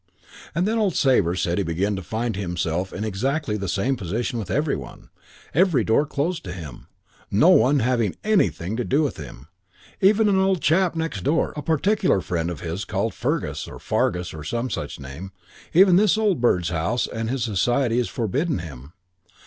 "And then old Sabre said he began to find himself in exactly the same position with every one. Every door closed to him. No one having anything to do with him. Even an old chap next door, a particular friend of his called Fungus or Fargus or some such name even this old bird's house and his society is forbidden him.